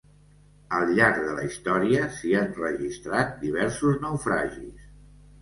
Al llarg de la història s'hi han registrat diversos naufragis.